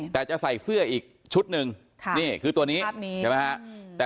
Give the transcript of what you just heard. แต่จะใส่เสื้ออีกชุดหนึ่งนี่คือตัวนี้ใช่ไหมฮะ